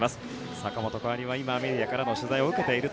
坂本花織は今、メディアからの取材を受けています。